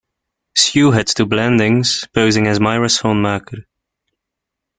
Sue heads to Blandings, posing as Myra Schoonmaker.